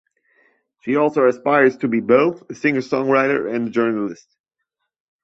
She also aspires to be both a singer-songwriter and a journalist.